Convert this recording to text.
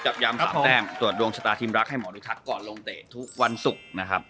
ย้ำ๓แต้มตรวจดวงชะตาทีมรักให้หมอดูทักก่อนลงเตะทุกวันศุกร์นะครับ